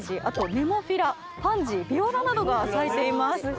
あとネモフィラパンジービオラなどが咲いています。